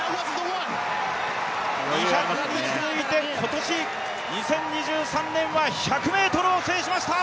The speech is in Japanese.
２００に続いて、今年２０２３年は１００ｍを制しました。